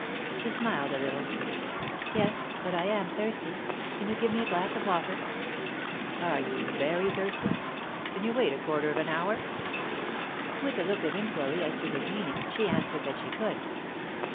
She smiled a little. "Yes. But I am thirsty. Can you give me a glass of water?" "Are you very thirsty? Can you wait a quarter of an hour?" With a look of inquiry as to his meaning, she answered that she could.